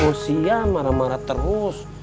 jauh dari kang dadang marah marah terus